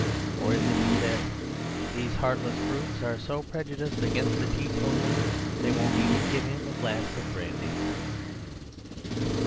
Or it is as if he said, | "These heartless brutes are so prejudiced against a teetotaler, that they won't even give him a glass of brandy."